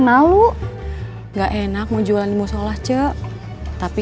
malu nggak enak mau jualan mau solah ce tapi